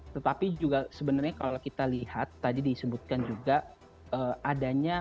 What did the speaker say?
tetapi juga sebenarnya kalau kita lihat tadi disebutkan juga adanya